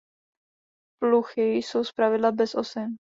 Pluchy jsou zpravidla bez osin.